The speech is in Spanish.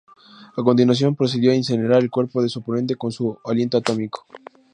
A continuación, procedió a incinerar el cuerpo de su oponente con su aliento atómico.